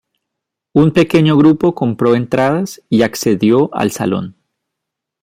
Un pequeño grupo compró entradas y accedió al salón.